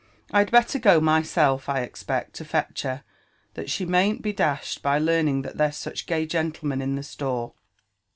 I'd belter go myself, I expect, to fetch her, that she mayn't be dashed by learning that there's such gay gen tlemen in the store."